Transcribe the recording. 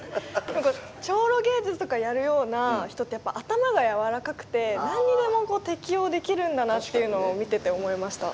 超老芸術とかやるような人ってやっぱ頭がやわらかくて何にでもこう適応できるんだなっていうのを見てて思いました。